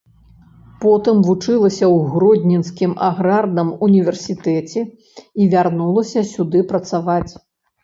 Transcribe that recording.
Потым вучылася ў гродзенскім аграрным універсітэце і вярнулася сюды працаваць.